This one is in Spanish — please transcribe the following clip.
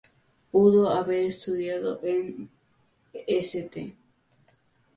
Pudo haber estudiado en St.